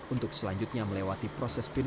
untuk selanjutnya melewati proses finis